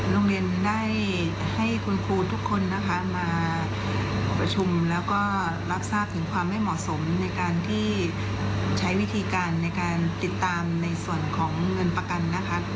โรงเรียนได้ให้คุณครูทุกคนนะคะมาประชุมแล้วก็รับทราบถึงความไม่เหมาะสมในการที่ใช้วิธีการในการติดตามในส่วนของเงินประกันนะคะ